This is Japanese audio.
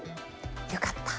よかった！